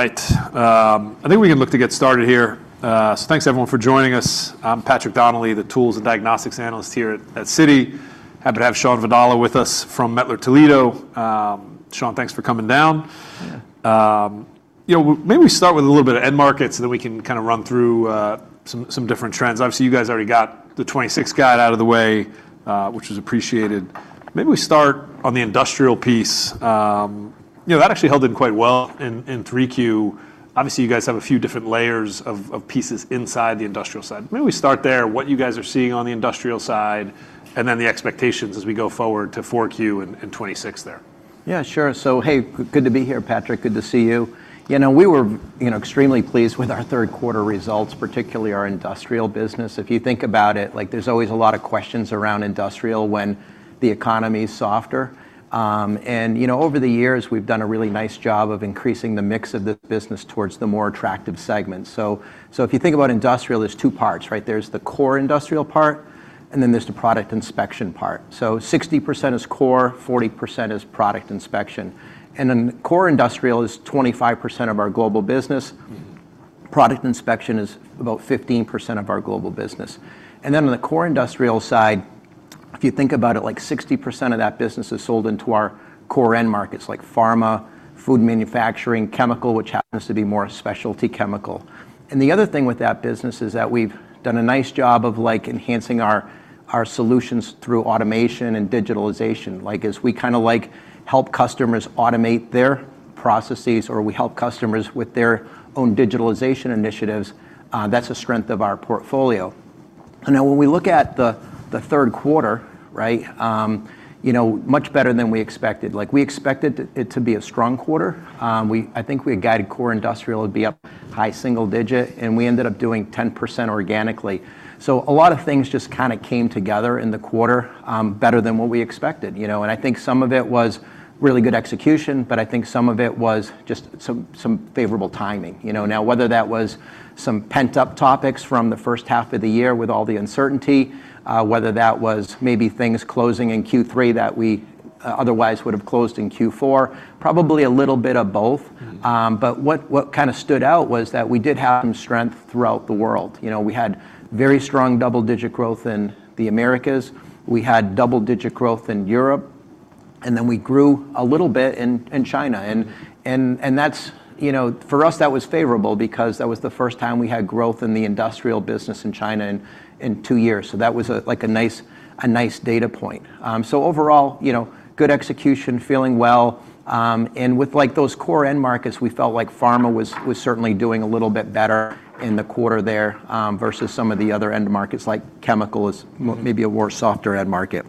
All right. I think we can look to get started here. So thanks, everyone, for joining us. I'm Patrick Donnelly, the tools and diagnostics analyst here at Citi. Happy to have Shawn Vadala with us from Mettler-Toledo. Shawn, thanks for coming down. Yeah. Maybe we start with a little bit of end markets, and then we can kind of run through some different trends. Obviously, you guys already got the 2026 guide out of the way, which was appreciated. Maybe we start on the industrial piece. That actually held in quite well in 3Q. Obviously, you guys have a few different layers of pieces inside the industrial side. Maybe we start there, what you guys are seeing on the industrial side, and then the expectations as we go forward to 4Q and 2026 there. Yeah, sure. So hey, good to be here, Patrick. Good to see you. We were extremely pleased with our third quarter results, particularly our industrial business. If you think about it, there's always a lot of questions around industrial when the economy is softer. And over the years, we've done a really nice job of increasing the mix of this business towards the more attractive segments. So if you think about industrial, there's two parts. There's the core industrial part, and then there's the product inspection part. So 60% is core, 40% is product inspection. And then core industrial is 25% of our global business. Product inspection is about 15% of our global business. And then on the core industrial side, if you think about it, 60% of that business is sold into our core end markets, like pharma, food manufacturing, chemical, which happens to be more specialty chemical. And the other thing with that business is that we've done a nice job of enhancing our solutions through automation and digitalization. As we kind of like help customers automate their processes, or we help customers with their own digitalization initiatives. That's a strength of our portfolio. Now, when we look at the third quarter, much better than we expected. We expected it to be a strong quarter. I think we had guided core industrial would be up high single digit, and we ended up doing 10% organically. A lot of things just kind of came together in the quarter better than what we expected. And I think some of it was really good execution, but I think some of it was just some favorable timing. Now, whether that was some pent-up topics from the first half of the year with all the uncertainty, whether that was maybe things closing in Q3 that we otherwise would have closed in Q4, probably a little bit of both. But what kind of stood out was that we did have some strength throughout the world. We had very strong double-digit growth in the Americas. We had double-digit growth in Europe. And then we grew a little bit in China. And for us, that was favorable because that was the first time we had growth in the industrial business in China in two years. So that was a nice data point. So overall, good execution, feeling well. With those core end markets, we felt like pharma was certainly doing a little bit better in the quarter there versus some of the other end markets, like chemicals, maybe a more softer end market.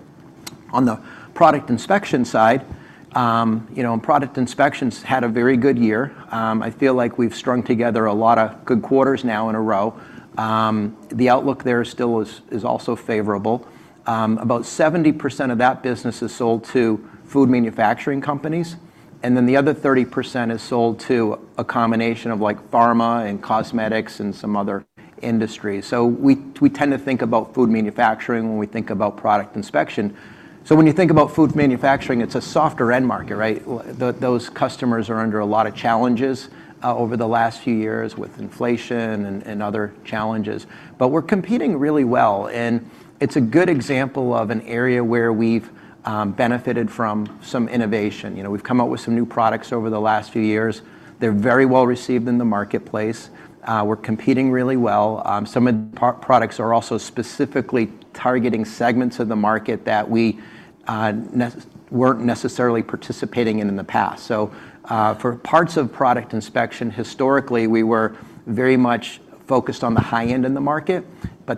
On the product inspection side, product inspections had a very good year. I feel like we've strung together a lot of good quarters now in a row. The outlook there still is also favorable. About 70% of that business is sold to food manufacturing companies. Then the other 30% is sold to a combination of pharma and cosmetics and some other industries. We tend to think about food manufacturing when we think about product inspection. When you think about food manufacturing, it's a softer end market. Those customers are under a lot of challenges over the last few years with inflation and other challenges. We're competing really well. It's a good example of an area where we've benefited from some innovation. We've come out with some new products over the last few years. They're very well received in the marketplace. We're competing really well. Some of the products are also specifically targeting segments of the market that we weren't necessarily participating in in the past. For parts of product inspection, historically, we were very much focused on the high end in the market.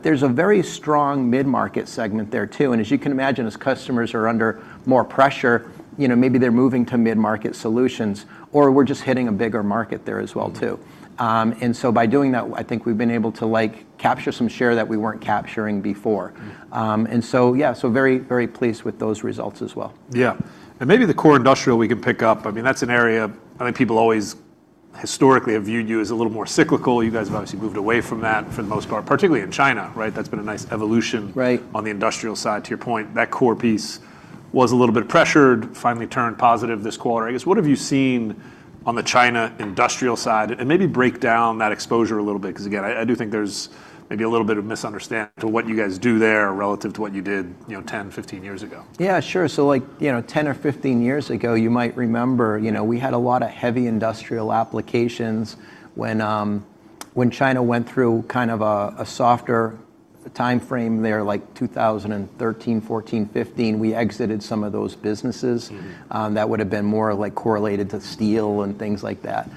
There's a very strong mid-market segment there too. As you can imagine, as customers are under more pressure, maybe they're moving to mid-market solutions, or we're just hitting a bigger market there as well too. By doing that, I think we've been able to capture some share that we weren't capturing before. Yeah, so very pleased with those results as well. Yeah. And maybe the core industrial we can pick up. I mean, that's an area I think people always historically have viewed you as a little more cyclical. You guys have obviously moved away from that for the most part, particularly in China. That's been a nice evolution on the industrial side, to your point. That core piece was a little bit pressured, finally turned positive this quarter. I guess, what have you seen on the China industrial side? And maybe break down that exposure a little bit. Because again, I do think there's maybe a little bit of misunderstanding to what you guys do there relative to what you did 10, 15 years ago. Yeah, sure. 10 or 15 years ago, you might remember we had a lot of heavy industrial applications when China went through kind of a softer time frame there, like 2013, 2014, 2015. We exited some of those businesses that would have been more correlated to steel and things like that.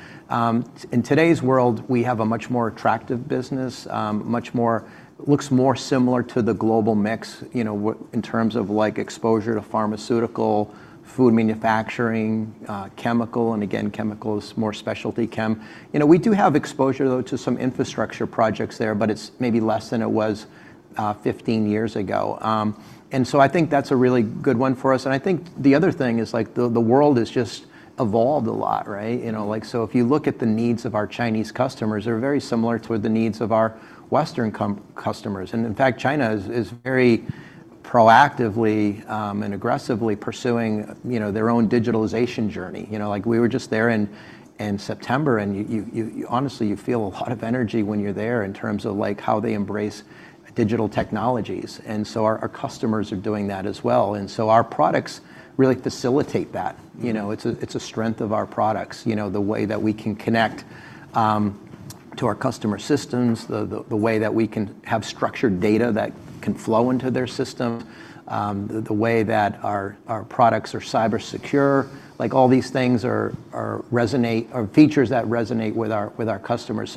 In today's world, we have a much more attractive business, looks more similar to the global mix in terms of exposure to pharmaceutical, food manufacturing, chemical, and again, chemicals, more specialty chem. We do have exposure to some infrastructure projects there, but it's maybe less than it was 15 years ago. I think that's a really good one for us. I think the other thing is the world has just evolved a lot. If you look at the needs of our Chinese customers, they're very similar to the needs of our Western customers. In fact, China is very proactively and aggressively pursuing their own digitalization journey. We were just there in September, and honestly, you feel a lot of energy when you're there in terms of how they embrace digital technologies. Our customers are doing that as well. Our products really facilitate that. It's a strength of our products, the way that we can connect to our customer systems, the way that we can have structured data that can flow into their systems, the way that our products are cybersecure. All these things are features that resonate with our customers.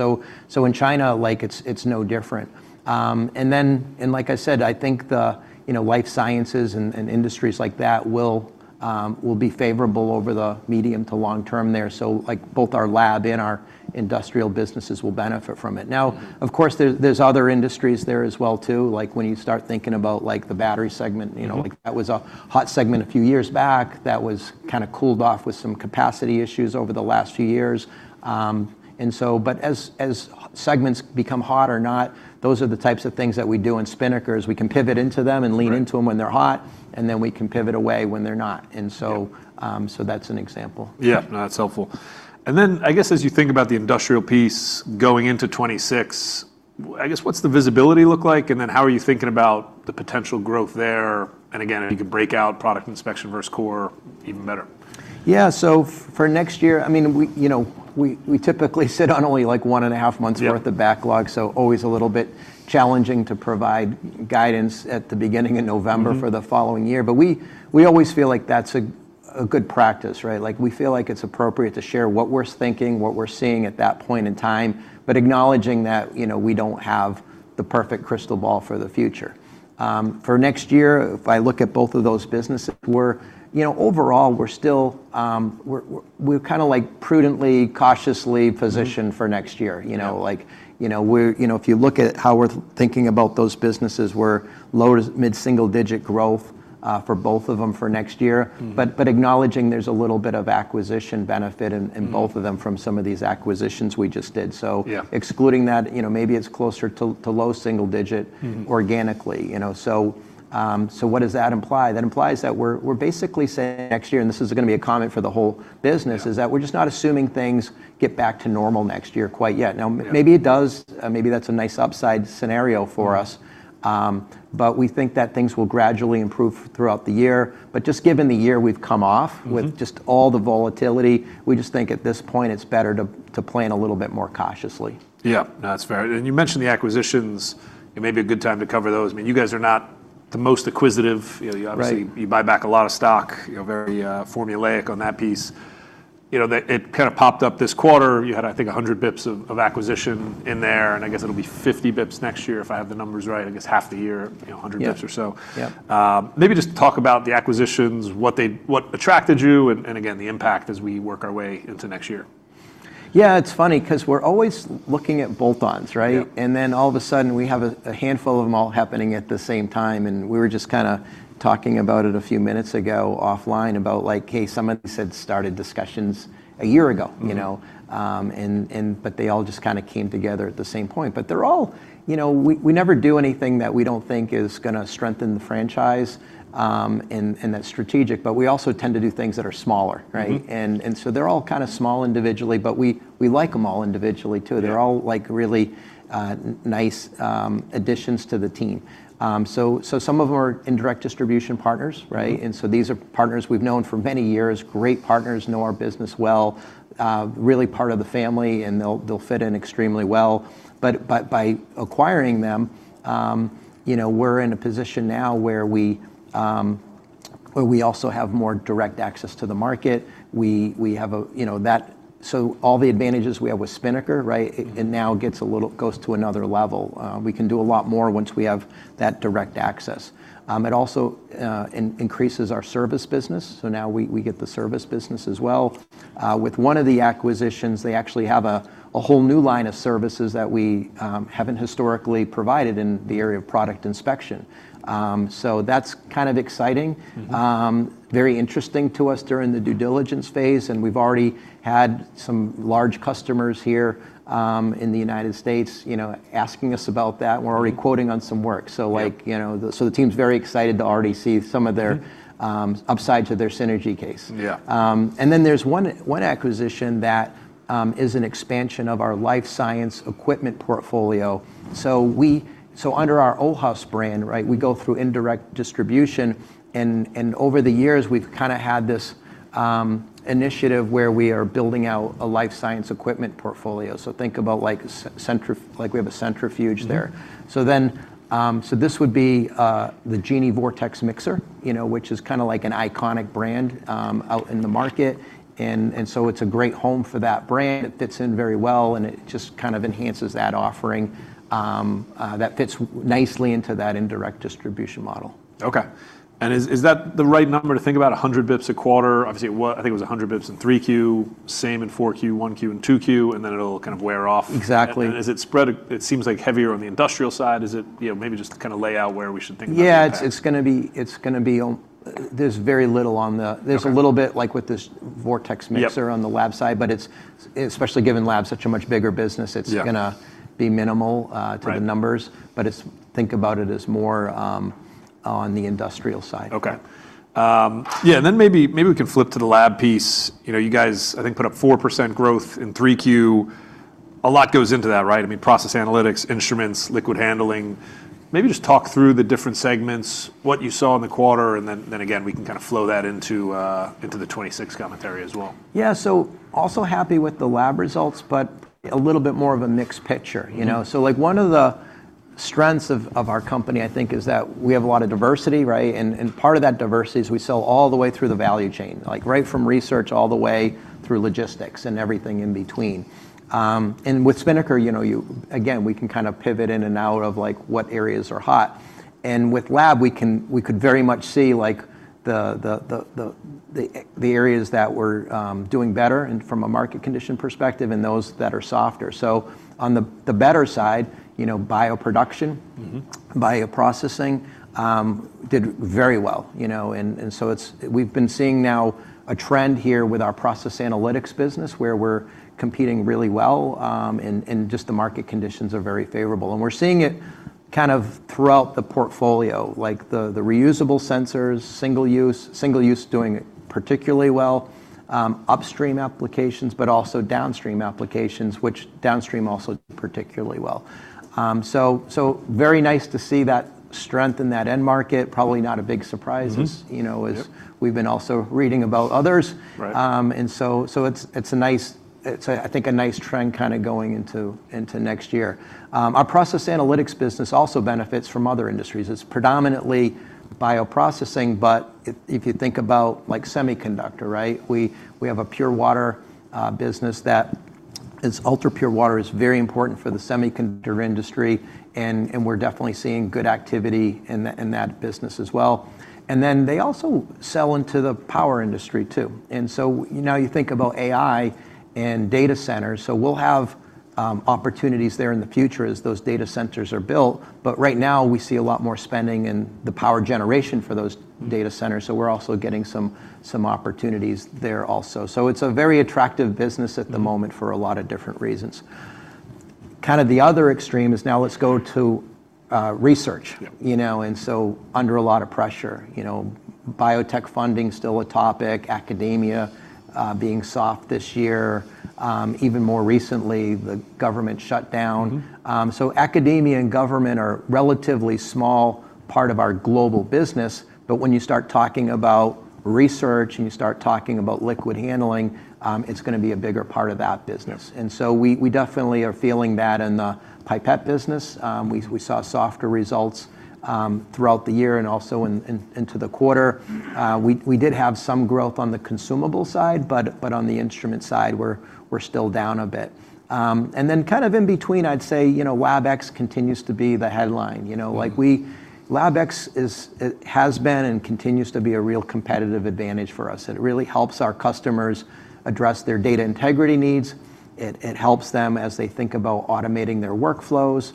In China, it's no different. Like I said, I think the life sciences and industries like that will be favorable over the medium to long term there. Both our lab and our industrial businesses will benefit from it. Now, of course, there's other industries there as well too. When you start thinking about the battery segment, that was a hot segment a few years back that was kind of cooled off with some capacity issues over the last few years. But as segments become hot or not, those are the types of things that we do in Spinnaker. We can pivot into them and lean into them when they're hot, and then we can pivot away when they're not, and so that's an example. Yeah. That's helpful. I guess as you think about the industrial piece going into 2026, I guess, what's the visibility look like? And then how are you thinking about the potential growth there? And again, if you can break out product inspection versus core, even better. Yeah, so for next year, I mean, we typically sit on only like one and a half months' worth of backlog. So always a little bit challenging to provide guidance at the beginning of November for the following year. But we always feel like that's a good practice. We feel like it's appropriate to share what we're thinking, what we're seeing at that point in time, but acknowledging that we don't have the perfect crystal ball for the future. For next year, if I look at both of those businesses, overall, we're kind of prudently, cautiously positioned for next year. If you look at how we're thinking about those businesses, we're low- to mid-single-digit growth for both of them for next year. But acknowledging there's a little bit of acquisition benefit in both of them from some of these acquisitions we just did. Excluding that, maybe it's closer to low single digit organically. So what does that imply? That implies that we're basically saying next year, and this is going to be a comment for the whole business, is that we're just not assuming things get back to normal next year quite yet. Now, maybe it does. Maybe that's a nice upside scenario for us. But we think that things will gradually improve throughout the year. But just given the year we've come off with just all the volatility, we just think at this point it's better to plan a little bit more cautiously. Yeah. That's fair, and you mentioned the acquisitions. It may be a good time to cover those. I mean, you guys are not the most acquisitive. You buy back a lot of stock. You're very formulaic on that piece. It kind of popped up this quarter. You had, I think, 100 basis points of acquisition in there, and I guess it'll be 50 basis points next year, if I have the numbers right. I guess half the year, 100 basis points or so. Maybe just talk about the acquisitions, what attracted you, and again, the impact as we work our way into next year? Yeah, it's funny because we're always looking at bolt-ons, right? Then all of a sudden, we have a handful of them all happening at the same time. And we were just kind of talking about it a few minutes ago offline about, hey, some of these had started discussions a year ago. But they all just kind of came together at the same point. But there all, we never do anything that we don't think is going to strengthen the franchise and that's strategic. But we also tend to do things that are smaller. They're all kind of small individually, but we like them all individually too. They're all really nice additions to the team. So some of them are indirect distribution partners. These are partners we've known for many years, great partners, know our business well, really part of the family, and they'll fit in extremely well. But by acquiring them, we're in a position now where we also have more direct access to the market. So al the advantages we have with Spinnaker, it now goes to another level. We can do a lot more once we have that direct access. It also increases our service business. Now we get the service business as well. With one of the acquisitions, they actually have a whole new line of services that we haven't historically provided in the area of product inspection. That's kind of exciting, very interesting to us during the due diligence phase. And we've already had some large customers here in the United States asking us about that. We're already quoting on some work. The team's very excited to already see some of the upsides of their synergy case. And then there's one acquisition that is an expansion of our life science equipment portfolio. Under our OHAUS brand, we go through indirect distribution. Over the years, we've kind of had this initiative where we are building out a life science equipment portfolio. So think about we have a centrifuge there. So this would be the Genie Vortex Mixer, which is kind of like an iconic brand out in the market. And so it's a great home for that brand. It fits in very well, and it just kind of enhances that offering that fits nicely into that indirect distribution model. Okay. Is that the right number to think about, 100 basis points a quarter? Obviously, I think it was 100 basis points in 3Q, same in 4Q, 1Q, and 2Q, and then it'll kind of wear off. Exactly. Is it spread? It seems like heavier on the industrial side. Is it maybe just kind of laid out where we should think about it? Yeah, it's going to be. There's very little. There's a little bit like with this Vortex Mixer on the lab side, but especially given lab's such a much bigger business, it's going to be minimal to the numbers, but think about it as more on the industrial side. Okay. Yeah, and then maybe we can flip to the lab piece. You guys, I think, put up 4% growth in 3Q. A lot goes into that, right? I mean, process analytics, instruments, liquid handling. Maybe just talk through the different segments, what you saw in the quarter. Then again, we can kind of flow that into the 2026 commentary as well. Yeah, so also happy with the lab results, but a little bit more of a mixed picture, like one of the strengths of our company, I think, is that we have a lot of diversity, and part of that diversity is we sell all the way through the value chain, right from research all the way through logistics and everything in between. With Spinnaker, again, we can kind of pivot in and out of what areas are hot, and with lab, we could very much see the areas that were doing better from a market condition perspective and those that are softer. On the better side, bioproduction, bioprocessing did very well, and so we've been seeing now a trend here with our process analytics business where we're competing really well, and just the market conditions are very favorable. We're seeing it kind of throughout the portfolio, like the reusable sensors, single-use doing particularly well, upstream applications, but also downstream applications, which downstream also do particularly well. Very nice to see that strength in that end market. Probably not a big surprise as we've been also reading about others. So it's, I think, a nice trend kind of going into next year. Our process analytics business also benefits from other industries. It's predominantly bioprocessing, but if you think about semiconductor, we have a pure water business that is ultra pure water, is very important for the semiconductor industry. We're definitely seeing good activity in that business as well. They also sell into the power industry too. Now you think about AI and data centers. We'll have opportunities there in the future as those data centers are built. But right now, we see a lot more spending in the power generation for those data centers. So we're also getting some opportunities there also. It's a very attractive business at the moment for a lot of different reasons. Kind of the other extreme is now let's go to research. Under a lot of pressure, biotech funding is still a topic, academia being soft this year. Even more recently, the government shut down. Academia and government are a relatively small part of our global business. But when you start talking about research and you start talking about liquid handling, it's going to be a bigger part of that business. So we definitely are feeling that in the pipette business. We saw softer results throughout the year and also into the quarter. We did have some growth on the consumable side, but on the instrument side, we're still down a bit. And then kind of in between, I'd say LabX continues to be the headline. LabX has been and continues to be a real competitive advantage for us. It really helps our customers address their data integrity needs. It helps them as they think about automating their workflows.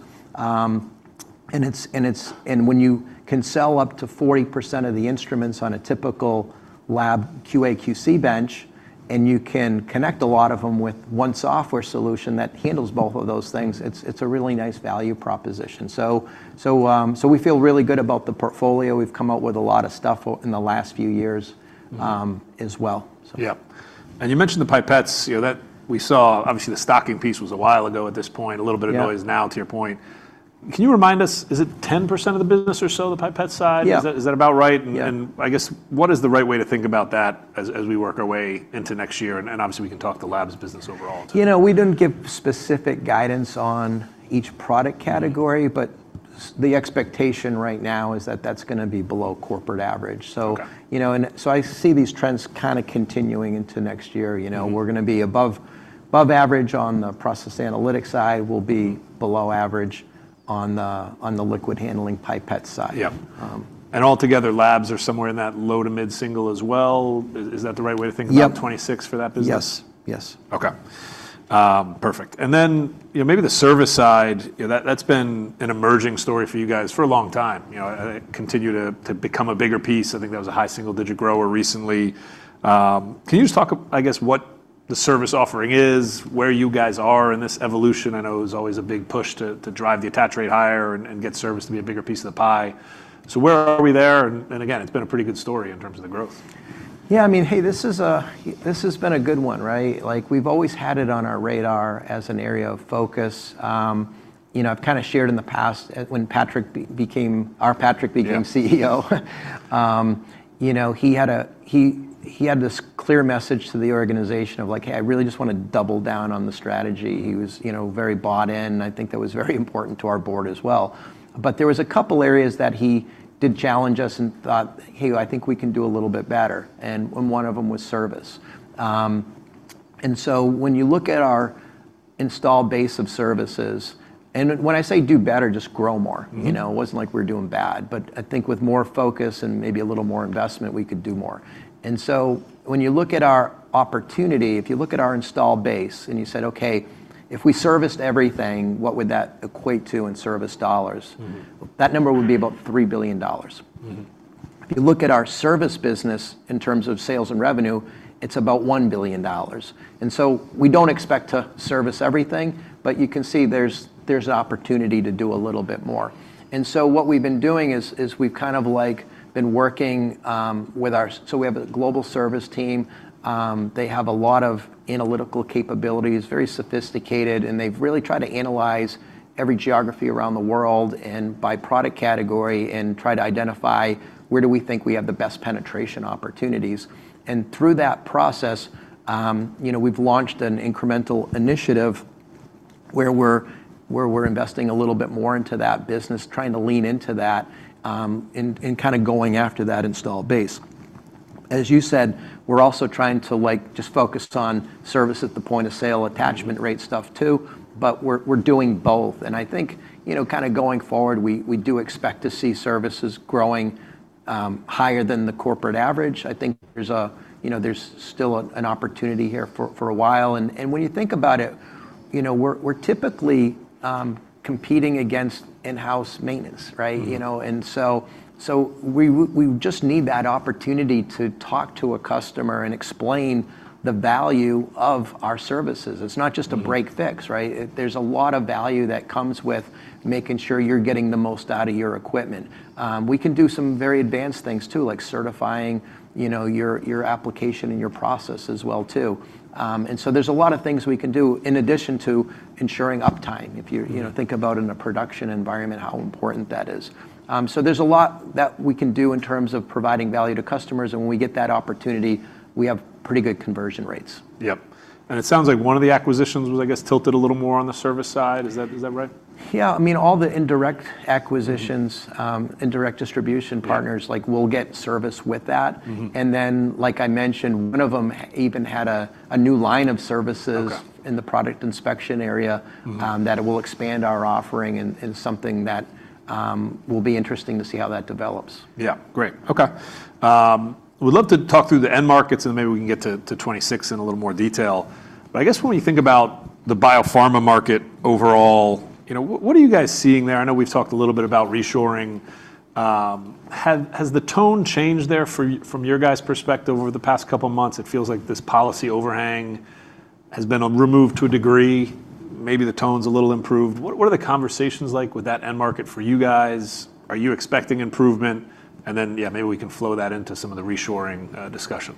When you can sell up to 40% of the instruments on a typical lab QA/QC bench, and you can connect a lot of them with one software solution that handles both of those things, it's a really nice value proposition. So we feel really good about the portfolio. We've come up with a lot of stuff in the last few years as well. Yeah. And you mentioned the pipettes. We saw, obviously, the stocking piece was a while ago at this point, a little bit of noise now to your point. Can you remind us, is it 10% of the business or so, the pipette side? Is that about right? And I guess, what is the right way to think about that as we work our way into next year? Obviously, we can talk the lab's business overall. We didn't give specific guidance on each product category, but the expectation right now is that that's going to be below corporate average. I see these trends kind of continuing into next year. We're going to be above average on the process analytics side. We'll be below average on the liquid handling pipette side. Yeah. And altogether, labs are somewhere in that low to mid single as well. Is that the right way to think about 2026 for that business? Yes, yes. Okay. Perfect. Maybe the service side, that's been an emerging story for you guys for a long time. It continued to become a bigger piece. I think that was a high single digit grower recently. Can you just talk, I guess, what the service offering is, where you guys are in this evolution? I know it was always a big push to drive the attach rate higher and get service to be a bigger piece of the pie. So where are we there? Again, it's been a pretty good story in terms of the growth. Yeah, I mean, hey, this has been a good one, right? We've always had it on our radar as an area of focus. I've kind of shared in the past when Patrick became our CEO, he had this clear message to the organization of like, "Hey, I really just want to double down on the strategy." He was very bought in. I think that was very important to our board as well. But there was a couple of areas that he did challenge us and thought, "Hey, I think we can do a little bit better." And one of them was service. And so when you look at our installed base of services, and when I say do better, just grow more. It wasn't like we're doing bad. But I think with more focus and maybe a little more investment, we could do more. When you look at our opportunity, if you look at our installed base and you said, "Okay, if we serviced everything, what would that equate to in service dollars?" That number would be about $3 billion. If you look at our service business in terms of sales and revenue, it's about $1 billion. So we don't expect to service everything, but you can see there's an opportunity to do a little bit more. So what we've been doing is we've kind of been working with our, so we have a global service team. They have a lot of analytical capabilities, very sophisticated, and they've really tried to analyze every geography around the world and by product category and try to identify where do we think we have the best penetration opportunities. Through that process, we've launched an incremental initiative where we're investing a little bit more into that business, trying to lean into that and kind of going after that installed base. As you said, we're also trying to just focus on service at the point of sale, attachment rate stuff too, but we're doing both. And I think kind of going forward, we do expect to see services growing higher than the corporate average. I think there's still an opportunity here for a while. When you think about it, we're typically competing against in-house maintenance, right? We just need that opportunity to talk to a customer and explain the value of our services. It's not just a break fix, right? There's a lot of value that comes with making sure you're getting the most out of your equipment. We can do some very advanced things too, like certifying your application and your process as well too. So there's a lot of things we can do in addition to ensuring uptime. If you think about it in a production environment, how important that is. So there's a lot that we can do in terms of providing value to customers, and when we get that opportunity, we have pretty good conversion rates. Yep. It sounds like one of the acquisitions was, I guess, tilted a little more on the service side. Is that right? Yeah. I mean, all the indirect acquisitions, indirect distribution partners, we'll get service with that. And then, like I mentioned, one of them even had a new line of services in the product inspection area that will expand our offering, and something that will be interesting to see how that develops. Yeah. Great. Okay. We'd love to talk through the end markets, and maybe we can get to 2026 in a little more detail. But I guess when you think about the biopharma market overall, what are you guys seeing there? I know we've talked a little bit about reshoring. Has the tone changed there from your guys' perspective over the past couple of months? It feels like this policy overhang has been removed to a degree. Maybe the tone's a little improved. What are the conversations like with that end market for you guys? Are you expecting improvement? And then, yeah, maybe we can flow that into some of the reshoring discussion.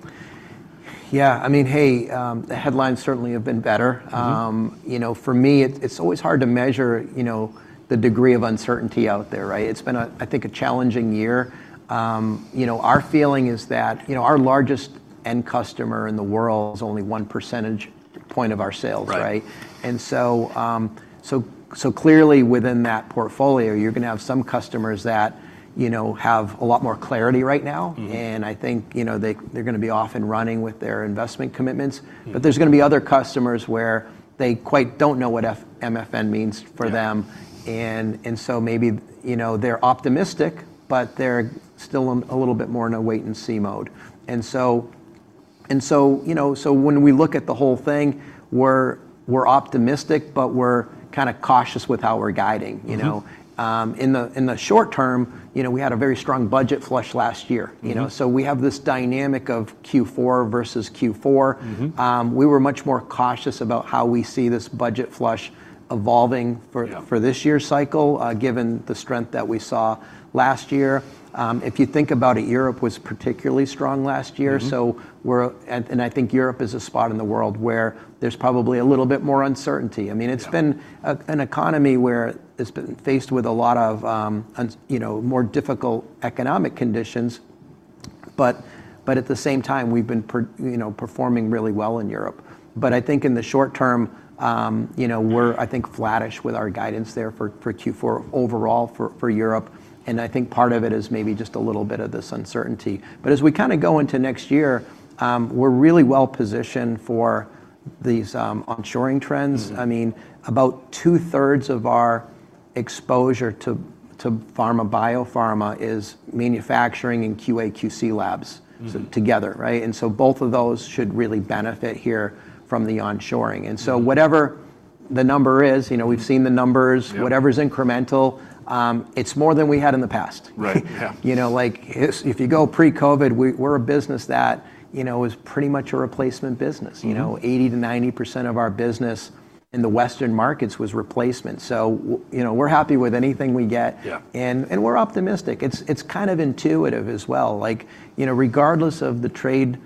Yeah. I mean, hey, the headlines certainly have been better. For me, it's always hard to measure the degree of uncertainty out there, right? It's been, I think, a challenging year. Our feeling is that our largest end customer in the world is only one percentage point of our sales, right? And so clearly, within that portfolio, you're going to have some customers that have a lot more clarity right now. And I think they're going to be off and running with their investment commitments. But there's going to be other customers where they quite don't know what MFN means for them. So maybe they're optimistic, but they're still a little bit more in a wait-and-see mode. And so when we look at the whole thing, we're optimistic, but we're kind of cautious with how we're guiding. In the short term, we had a very strong budget flush last year. So we have this dynamic of Q4 versus Q4. We were much more cautious about how we see this budget flush evolving for this year's cycle, given the strength that we saw last year. If you think about it, Europe was particularly strong last year. I think Europe is a spot in the world where there's probably a little bit more uncertainty. I mean, it's been an economy where it's been faced with a lot of more difficult economic conditions. But at the same time, we've been performing really well in Europe. But I think in the short term, we're, I think, flattish with our guidance there for Q4 overall for Europe. I think part of it is maybe just a little bit of this uncertainty. But as we kind of go into next year, we're really well positioned for these onshoring trends. I mean, about two-thirds of our exposure to pharma biopharma is manufacturing in QA/QC labs together, right? So both of those should really benefit here from the onshoring. Whatever the number is, we've seen the numbers. Whatever's incremental, it's more than we had in the past. Right. Yeah. If you go pre-COVID, we're a business that was pretty much a replacement business. 80%-90% of our business in the Western markets was replacement. We're happy with anything we get. And we're optimistic. It's kind of intuitive as well. Regardless of the trade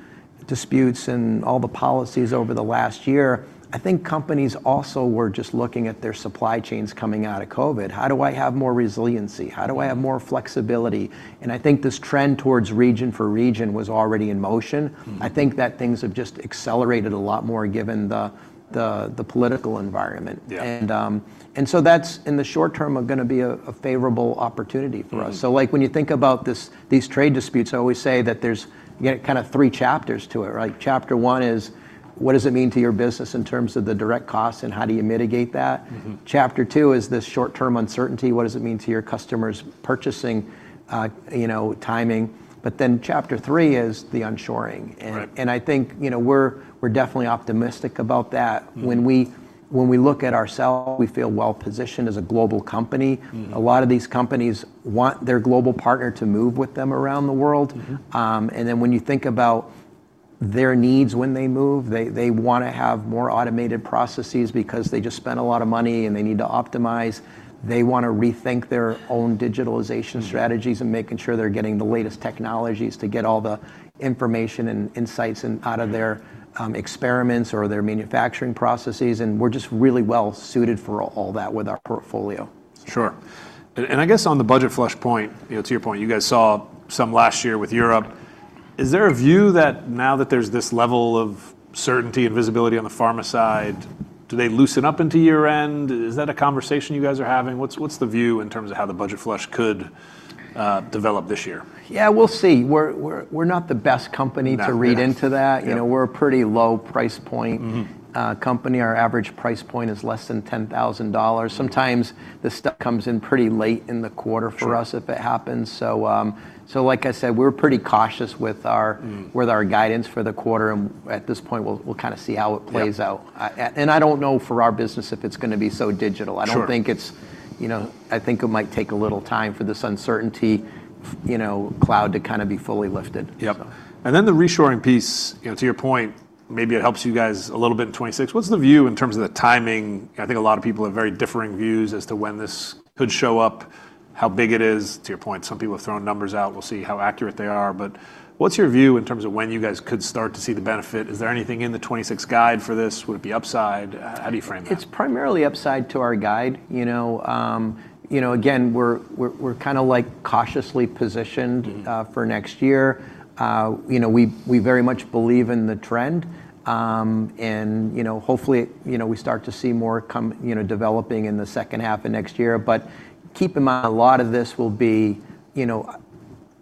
disputes and all the policies over the last year, I think companies also were just looking at their supply chains coming out of COVID. How do I have more resiliency? How do I have more flexibility? I think this trend towards region for region was already in motion. I think that things have just accelerated a lot more given the political environment. That's, in the short term, going to be a favorable opportunity for us. So when you think about these trade disputes, I always say that there's kind of three chapters to it. Chapter one is, what does it mean to your business in terms of the direct costs and how do you mitigate that? Chapter two is this short-term uncertainty. What does it mean to your customers' purchasing timing? But then Chapter three is the onshoring. I think we're definitely optimistic about that. When we look at ourselves, we feel well positioned as a global company. A lot of these companies want their global partner to move with them around the world. When you think about their needs when they move, they want to have more automated processes because they just spent a lot of money and they need to optimize. They want to rethink their own digitalization strategies and making sure they're getting the latest technologies to get all the information and insights out of their experiments or their manufacturing processes. We're just really well suited for all that with our portfolio. Sure. I guess on the budget flush point, to your point, you guys saw some last year with Europe. Is there a view that now that there's this level of certainty and visibility on the pharma side, do they loosen up into year-end? Is that a conversation you guys are having? What's the view in terms of how the budget flush could develop this year? Yeah, we'll see. We're not the best company to read into that. We're a pretty low price point company. Our average price point is less than $10,000. Sometimes this stuff comes in pretty late in the quarter for us if it happens. So like I said, we're pretty cautious with our guidance for the quarter. At this point, we'll kind of see how it plays out. I don't know for our business if it's going to be so digital. I don't think it's. I think it might take a little time for this uncertainty cloud to kind of be fully lifted. Yep. And then the reshoring piece, to your point, maybe it helps you guys a little bit in 2026. What's the view in terms of the timing? I think a lot of people have very differing views as to when this could show up, how big it is. To your point, some people have thrown numbers out. We'll see how accurate they are. But what's your view in terms of when you guys could start to see the benefit? Is there anything in the 2026 guide for this? Would it be upside? How do you frame that? It's primarily upside to our guide. Again, we're kind of like cautiously positioned for next year. We very much believe in the trend. Hopefully, we start to see more developing in the second half of next year. But keep in mind, a lot of this will be -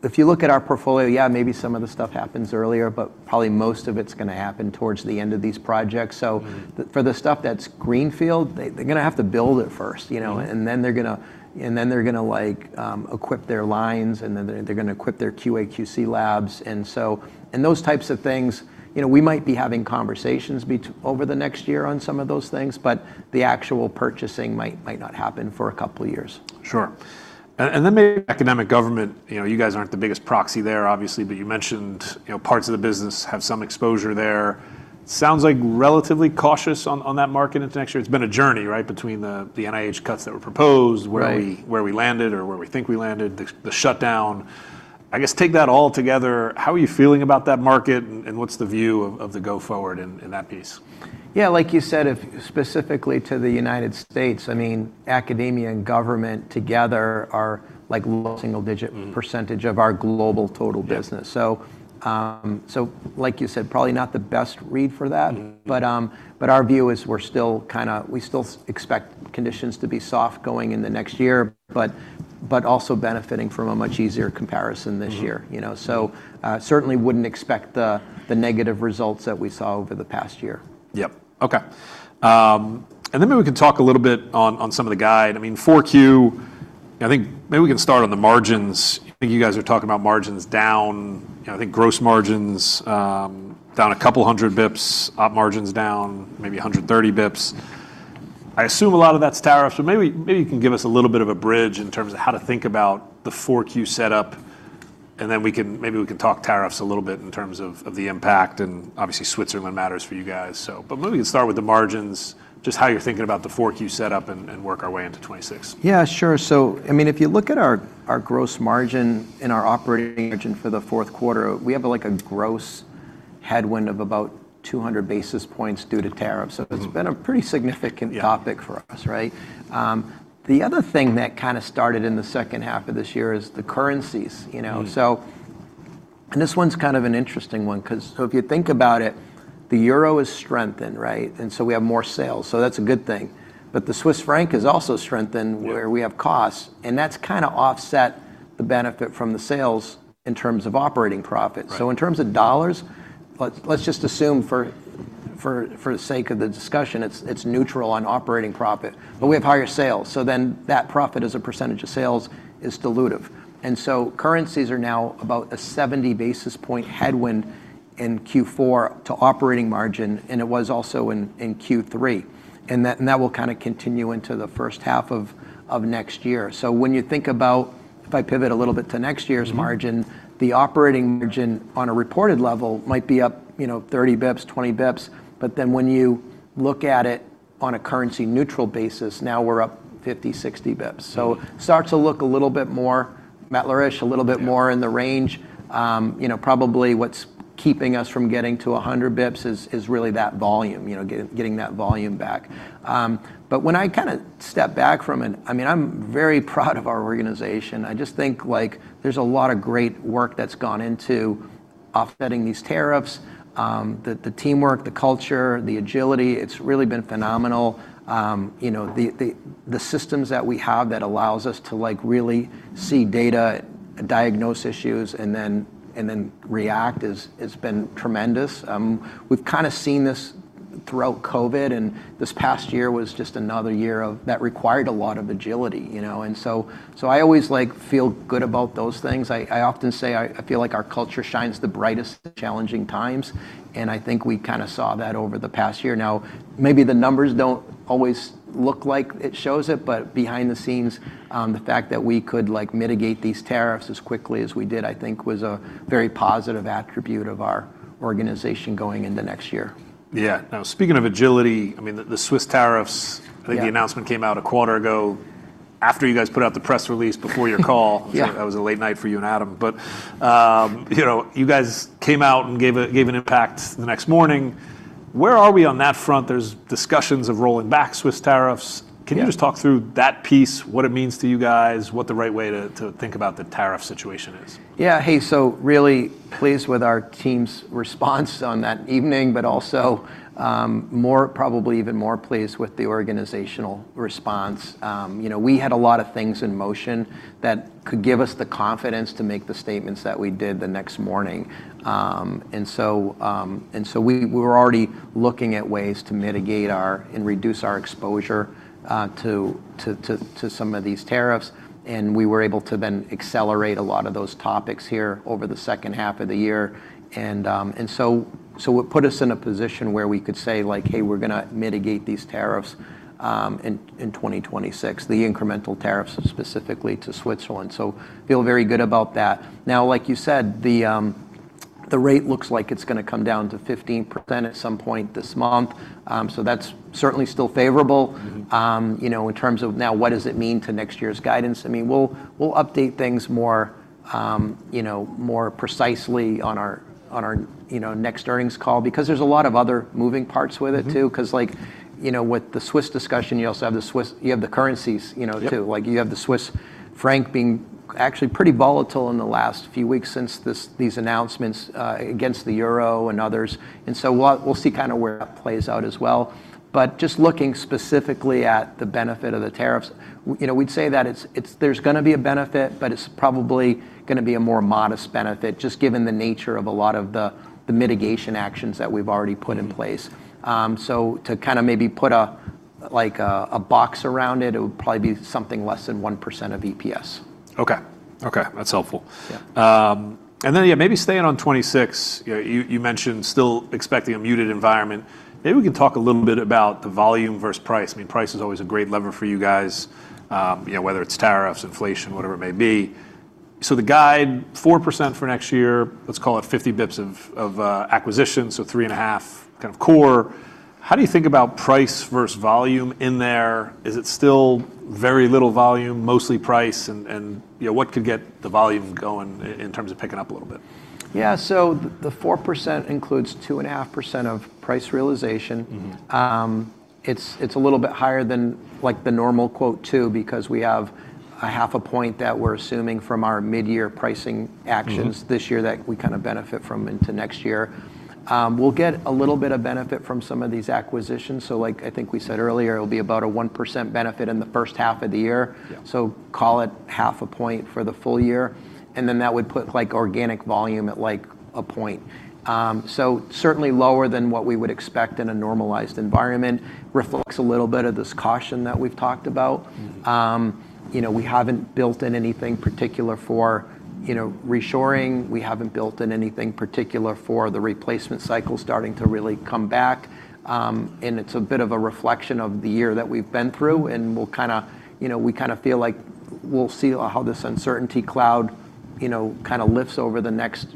if you look at our portfolio, yeah, maybe some of the stuff happens earlier, but probably most of it's going to happen towards the end of these projects. So for the stuff that's greenfield, they're going to have to build it first. And then they're going to equip their lines, and then they're going to equip their QA/QC labs. Those types of things, we might be having conversations over the next year on some of those things, but the actual purchasing might not happen for a couple of years. Sure. Then maybe academic government. You guys aren't the biggest proxy there, obviously, but you mentioned parts of the business have some exposure there. Sounds like relatively cautious on that market into next year. It's been a journey, right, between the NIH cuts that were proposed, where we landed or where we think we landed, the shutdown. I guess take that all together, how are you feeling about that market, and what's the view of the go-forward in that piece? Yeah, like you said, specifically to the United States, I mean, academia and government together are like low single-digit percentage of our global total business. Like you said, probably not the best read for that. But our view is, we're still kind of, we still expect conditions to be soft going into next year, but also benefiting from a much easier comparison this year. So certainly wouldn't expect the negative results that we saw over the past year. Yep. Okay. Maybe we can talk a little bit on some of the guidance. I mean, 4Q, I think maybe we can start on the margins. I think you guys are talking about margins down. I think gross margins down a couple hundred basis points, op margins down maybe 130 basis points. I assume a lot of that's tariffs, but maybe you can give us a little bit of a bridge in terms of how to think about the 4Q setup. And then maybe we can talk tariffs a little bit in terms of the impact. Obviously, Switzerland matters for you guys. But maybe we can start with the margins, just how you're thinking about the 4Q setup and work our way into 2026. Yeah, sure. I mean, if you look at our gross margin and our operating margin for the fourth quarter, we have a gross headwind of about 200 basis points due to tariffs. So it's been a pretty significant topic for us, right? The other thing that kind of started in the second half of this year is the currencies. This one's kind of an interesting one because if you think about it, the euro has strengthened, right? So we have more sales. That's a good thing. But the Swiss franc has also strengthened where we have costs. That's kind of offset the benefit from the sales in terms of operating profits. So in terms of dollars, let's just assume for the sake of the discussion, it's neutral on operating profit. But we have higher sales. That profit as a percentage of sales is dilutive. Currencies are now about a 70 basis point headwind in Q4 to operating margin, and it was also in Q3. That will kind of continue into the first half of next year. When you think about, if I pivot a little bit to next year's margin, the operating margin on a reported level might be up 30 basis points, 20 basis points. When you look at it on a currency-neutral basis, now we're up 50, 60 basis points. It starts to look a little bit more metallic, a little bit more in the range. Probably what's keeping us from getting to 100 basis points is really that volume, getting that volume back. When I kind of step back from it, I mean, I'm very proud of our organization. I just think there's a lot of great work that's gone into offsetting these tariffs, the teamwork, the culture, the agility. It's really been phenomenal. The systems that we have that allows us to really see data, diagnose issues, and then react has been tremendous. We've kind of seen this throughout COVID. This past year was just another year that required a lot of agility. I always feel good about those things. I often say I feel like our culture shines the brightest in challenging times. I think we kind of saw that over the past year. Now, maybe the numbers don't always look like it shows it, but behind the scenes, the fact that we could mitigate these tariffs as quickly as we did, I think was a very positive attribute of our organization going into next year. Yeah. Now, speaking of agility, I mean, the Swiss tariffs, I think the announcement came out a quarter ago after you guys put out the press release before your call. That was a late night for you and Adam. But you guys came out and gave an impact the next morning. Where are we on that front? There's discussions of rolling back Swiss tariffs. Can you just talk through that piece, what it means to you guys, what the right way to think about the tariff situation is? Yeah. Hey, so really pleased with our team's response on that evening, but also more probably even more pleased with the organizational response. We had a lot of things in motion that could give us the confidence to make the statements that we did the next morning, and so we were already looking at ways to mitigate and reduce our exposure to some of these tariffs, and we were able to then accelerate a lot of those topics here over the second half of the year, and so it put us in a position where we could say, like, hey, we're going to mitigate these tariffs in 2026, the incremental tariffs specifically to Switzerland, so feel very good about that. Now, like you said, the rate looks like it's going to come down to 15% at some point this month. So that's certainly still favorable in terms of now what does it mean to next year's guidance. I mean, we'll update things more precisely on our next earnings call because there's a lot of other moving parts with it too. Because with the Swiss discussion, you also have the currencies too. You have the Swiss franc being actually pretty volatile in the last few weeks since these announcements against the euro and others. So we'll see kind of where that plays out as well. But just looking specifically at the benefit of the tariffs, we'd say that there's going to be a benefit, but it's probably going to be a more modest benefit just given the nature of a lot of the mitigation actions that we've already put in place. To kind of maybe put a box around it, it would probably be something less than 1% of EPS. Okay. Okay. That's helpful. Then, yeah, maybe staying on 2026, you mentioned still expecting a muted environment. Maybe we can talk a little bit about the volume versus price. I mean, price is always a great lever for you guys, whether it's tariffs, inflation, whatever it may be. So the guide, 4% for next year, let's call it 50 basis points of acquisition, so three and a half kind of core. How do you think about price versus volume in there? Is it still very little volume, mostly price? And what could get the volume going in terms of picking up a little bit? Yeah. So the 4% includes 2.5% of price realization. It's a little bit higher than the normal quote too because we have a 0.5% that we're assuming from our mid-year pricing actions this year that we kind of benefit from into next year. We'll get a little bit of benefit from some of these acquisitions. I think we said earlier it'll be about a 1% benefit in the first half of the year. Call it 0.5% for the full year. And then that would put organic volume at like 1%. Certainly lower than what we would expect in a normalized environment, reflects a little bit of this caution that we've talked about. We haven't built in anything particular for reshoring. We haven't built in anything particular for the replacement cycle starting to really come back. It's a bit of a reflection of the year that we've been through. We kind of feel like we'll see how this uncertainty cloud kind of lifts over the next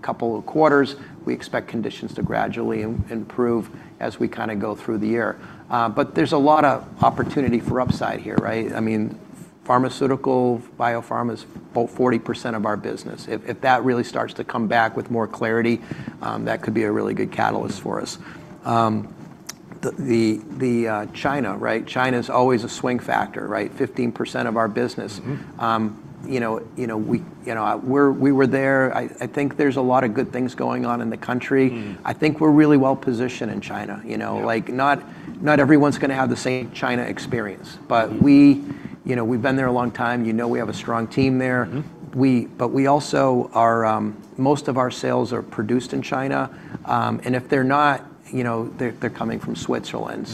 couple of quarters. We expect conditions to gradually improve as we kind of go through the year. There's a lot of opportunity for upside here, right? I mean, pharmaceutical, biopharma is about 40% of our business. If that really starts to come back with more clarity, that could be a really good catalyst for us. China, right? China is always a swing factor, right? 15% of our business. We were there. I think there's a lot of good things going on in the country. I think we're really well positioned in China. Not everyone's going to have the same China experience. We've been there a long time. You know we have a strong team there. But most of our sales are produced in China. And if they're not, they're coming from Switzerland.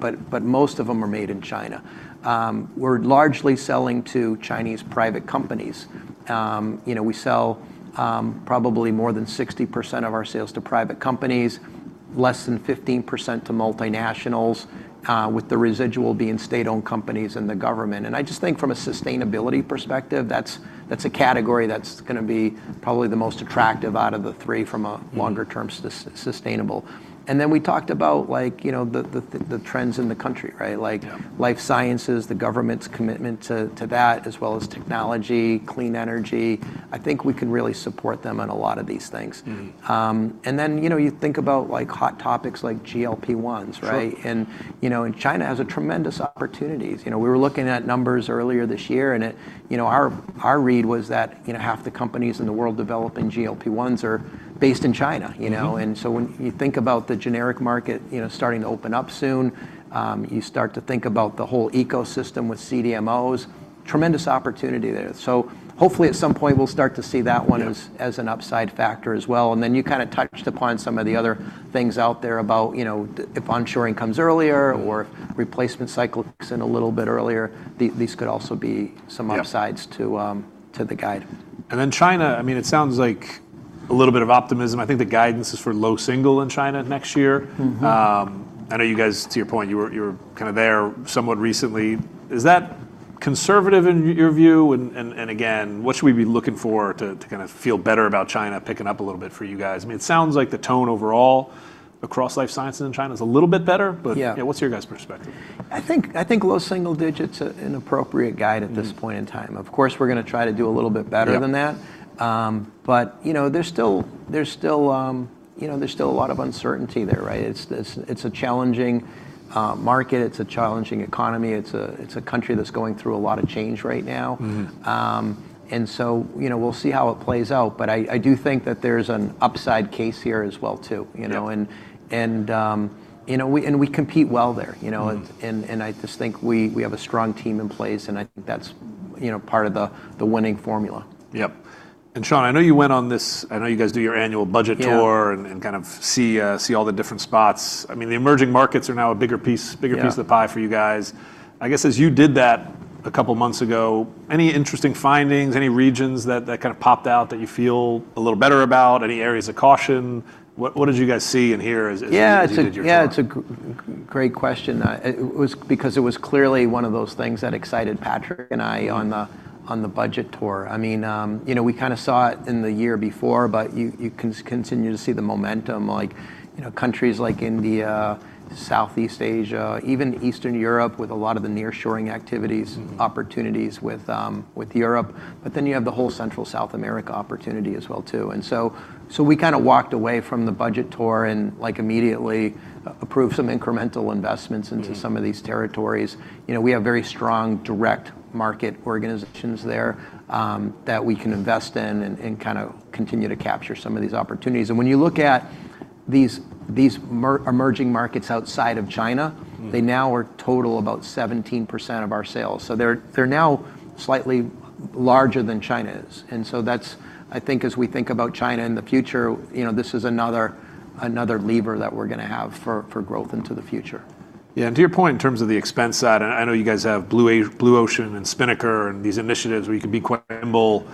But most of them are made in China. We're largely selling to Chinese private companies. We sell probably more than 60% of our sales to private companies, less than 15% to multinationals, with the residual being state-owned companies and the government. I just think from a sustainability perspective, that's a category that's going to be probably the most attractive out of the three from a longer-term sustainable. Then we talked about the trends in the country, right? Life sciences, the government's commitment to that, as well as technology, clean energy. I think we can really support them on a lot of these things. You think about hot topics like GLP-1s, right? China has tremendous opportunities. We were looking at numbers earlier this year, and our read was that half the companies in the world developing GLP-1s are based in China. So when you think about the generic market starting to open up soon, you start to think about the whole ecosystem with CDMOs. Tremendous opportunity there. So hopefully at some point, we'll start to see that one as an upside factor as well. And then you kind of touched upon some of the other things out there about if onshoring comes earlier or if replacement cycle kicks in a little bit earlier, these could also be some upsides to the guide. And then China. I mean, it sounds like a little bit of optimism. I think the guidance is for low single in China next year. I know you guys, to your point, you were kind of there somewhat recently. Is that conservative in your view? And again, what should we be looking for to kind of feel better about China picking up a little bit for you guys? I mean, it sounds like the tone overall across life sciences in China is a little bit better. But what's your guys' perspective? I think low single digit's an appropriate guide at this point in time. Of course, we're going to try to do a little bit better than that. But there's still a lot of uncertainty there, right? It's a challenging market. It's a challenging economy. It's a country that's going through a lot of change right now. And so we'll see how it plays out. But I do think that there's an upside case here as well too. We compete well there. I just think we have a strong team in place. I think that's part of the winning formula. Yep, and Shawn, I know you went on this. I know you guys do your annual budget tour and kind of see all the different spots. I mean, the emerging markets are now a bigger piece of the pie for you guys. I guess as you did that a couple of months ago, any interesting findings, any regions that kind of popped out that you feel a little better about, any areas of caution? What did you guys see and hear as you did your tour? Yeah, it's a great question. Because it was clearly one of those things that excited Patrick and I on the budget tour. I mean, we kind of saw it in the year before, but you can continue to see the momentum. Countries like India, Southeast Asia, even Eastern Europe with a lot of the nearshoring activities, opportunities with Europe. But then you have the whole Central and South America opportunity as well too. We kind of walked away from the budget tour and immediately approved some incremental investments into some of these territories. We have very strong direct market organizations there that we can invest in and kind of continue to capture some of these opportunities. When you look at these emerging markets outside of China, they now total about 17% of our sales. They're now slightly larger than China is. I think, as we think about China in the future, this is another lever that we're going to have for growth into the future. Yeah. And to your point in terms of the expense side, I know you guys have Blue Ocean and Spinnaker and these initiatives where you can be quite nimble.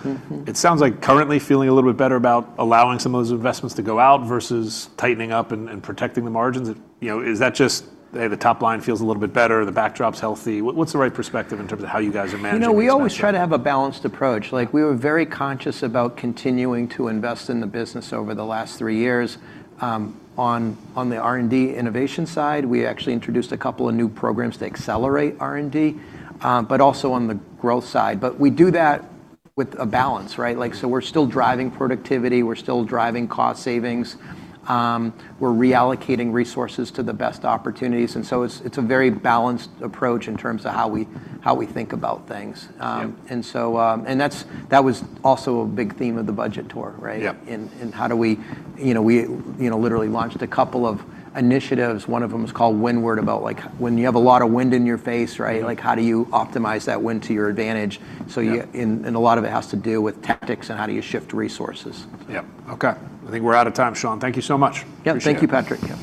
It sounds like currently feeling a little bit better about allowing some of those investments to go out versus tightening up and protecting the margins. Is that just, hey, the top line feels a little bit better, the backdrop's healthy? What's the right perspective in terms of how you guys are managing this? We always try to have a balanced approach. We were very conscious about continuing to invest in the business over the last three years. On the R&D innovation side, we actually introduced a couple of new programs to accelerate R&D, but also on the growth side but we do that with a balance, right? We're still driving productivity. We're still driving cost savings. We're reallocating resources to the best opportunities and so it's a very balanced approach in terms of how we think about things and that was also a big theme of the budget tour, right? We literally launched a couple of initiatives. One of them was called Windward about when you have a lot of wind in your face, right? How do you optimize that wind to your advantage? A lot of it has to do with tactics and how you shift resources. Yep. Okay. I think we're out of time, Shawn. Thank you so much. Yep. Thank you, Patrick.